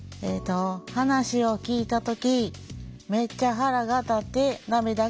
「話を聞いた時」